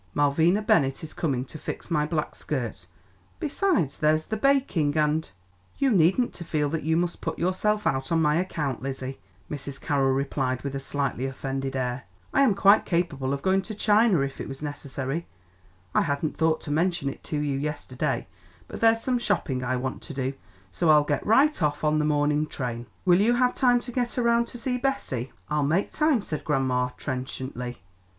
Malvina Bennett is coming to fix my black skirt; besides, there's the baking and " "You needn't to feel that you must put yourself out on my account, Lizzie," Mrs. Carroll replied with a slightly offended air. "I am quite capable of going to China if it was necessary. I hadn't thought to mention it to you yesterday, but there's some shopping I want to do, so I'll get right off on the morning train." "Will you have time to get around to see Bessie?" "I'll make time," said grandma trenchantly.